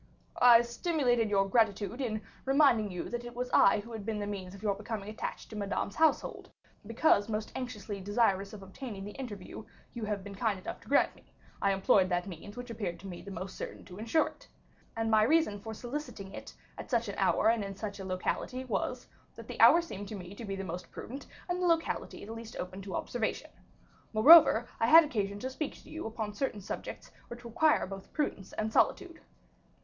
"I stimulated your gratitude in reminding you that it was I who had been the means of your becoming attached to Madame's household; because most anxiously desirous of obtaining the interview you have been kind enough to grant me, I employed the means which appeared to me most certain to insure it. And my reason for soliciting it, at such an hour and in such a locality, was, that the hour seemed to me to be the most prudent, and the locality the least open to observation. Moreover, I had occasion to speak to you upon certain subjects which require both prudence and solitude."